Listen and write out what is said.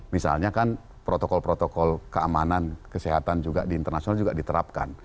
misalnya kan protokol protokol keamanan kesehatan juga di internasional juga diterapkan